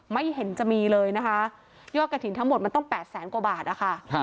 ไม่เห็นจะมีเลยนะคะยอดกระถิ่นทั้งหมดมันต้อง๘แสนกว่าบาทนะคะ